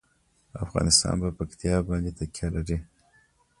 افغانستان په پکتیا باندې تکیه لري.